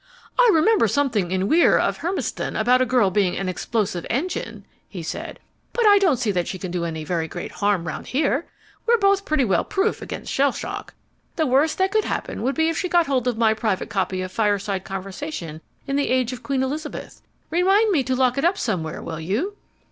"I remember something in Weir of Hermiston about a girl being 'an explosive engine,'" he said. "But I don't see that she can do any very great harm round here. We're both pretty well proof against shell shock. The worst that could happen would be if she got hold of my private copy of Fireside Conversation in the Age of Queen Elizabeth. Remind me to lock it up somewhere, will you?"